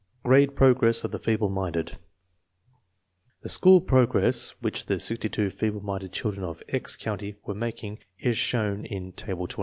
Grade progress of the feeble minded. The school progress which the 62 feeble minded children of " X " County were making is shown in Table 23.